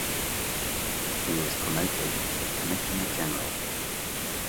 He was promoted to commissioner general.